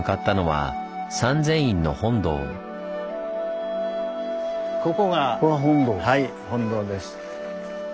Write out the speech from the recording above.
はい本堂です。